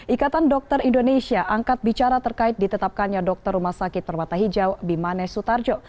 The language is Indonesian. ikatan dokter indonesia angkat bicara terkait ditetapkannya dokter rumah sakit permata hijau bimanes sutarjo